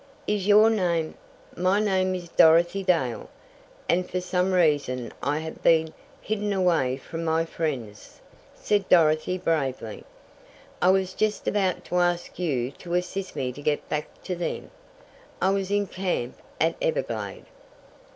"Is your name " "My name is Dorothy Dale, and for some reason I have been hidden away from my friends," said Dorothy bravely. "I was just about to ask you to assist me to get back to them. I was in camp at Everglade."